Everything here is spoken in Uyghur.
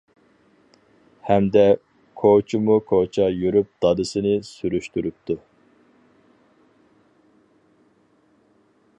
ھەمدە كوچىمۇ كوچا يۈرۈپ دادىسىنى سۈرۈشتۈرۈپتۇ.